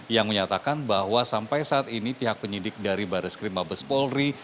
yang menyatakan bahwa sampai saat ini pihak penyidik dari baris krim mabes polri